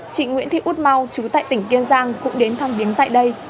chị nguyễn thị út mau chú tại tỉnh kiên giang cũng đến thăm viếng tại đây